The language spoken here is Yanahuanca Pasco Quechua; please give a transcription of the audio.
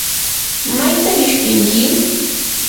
¿mayta qishpinki?